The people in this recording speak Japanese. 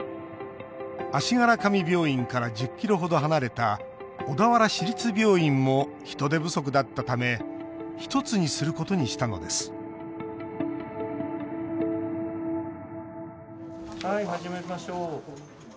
足柄上病院から１０ｋｍほど離れた小田原市立病院も人手不足だったため１つにすることにしたのですはい始めましょう。